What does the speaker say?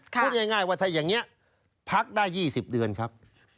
พูดง่ายว่าถ้าอย่างนี้พักได้๒๐เดือนครับ